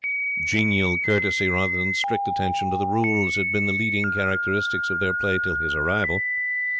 Genial courtesy rather than strict attention to the rules had been the leading characteristics of their play till his arrival.